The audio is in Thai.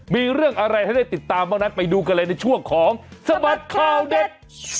มีเรื่องอะไรให้ได้ติดตามบ้างนั้นไปดูกันเลยในช่วงของสบัดข่าวเด็ด